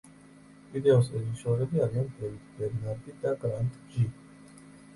ვიდეოს რეჟისორები არიან დევიდ ბერნარდი და გრანტ ჯი.